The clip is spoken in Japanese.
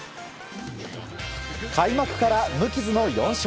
開幕から無傷の４勝。